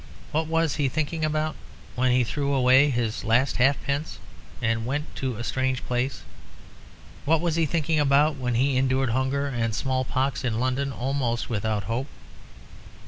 What was he thinking about when he threw away his last halfpence and went to a strange place; what was he thinking about when he endured hunger and small pox in London almost without hope?